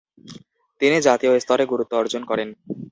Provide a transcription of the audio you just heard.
তিনি জাতীয় স্তরে গুরুত্ব অর্জন করেন।